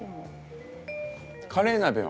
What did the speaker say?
カレー鍋は？